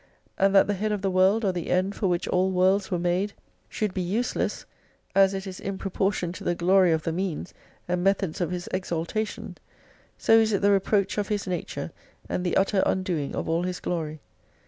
And that the Head of the World, or the End for which all worlds were made 271 should be useless, as it is improportioned to the glory of the means, and methods of His exaltation, so is it the reproach of His nature and the utter undoing of all His glory.